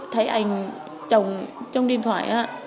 thấy ảnh chồng trong điện thoại á